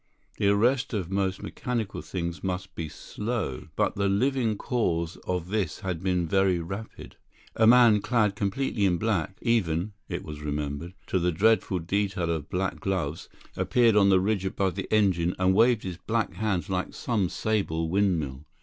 The arrest of most mechanical things must be slow; but the living cause of this had been very rapid. A man clad completely in black, even (it was remembered) to the dreadful detail of black gloves, appeared on the ridge above the engine, and waved his black hands like some sable windmill.